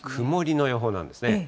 曇りの予報なんですね。